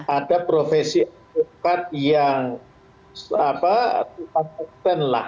ada profesi advokat yang apa